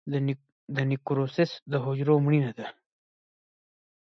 د نیکروسس د حجرو مړینه ده.